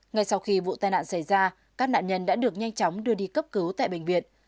ngay sau khi vụ tai nạn xảy ra các nạn nhân đã được nhanh chóng đưa đi cấp cứu tại bệnh viện